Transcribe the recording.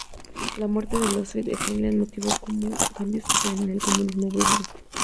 La muerte de Iósif Stalin motivó cambios en el comunismo búlgaro.